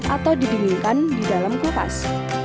atau didinginkan di dalam kulkas